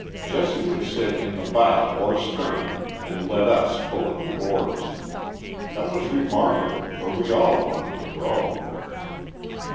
Jesse would sit in the bow or stern and let us pull at the oars. That was remarkable, for we all wanted to row.